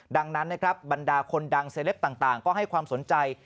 ดังนั้นนะครับบรรดาคนดังเซลปต่างก็ให้ความสนใจ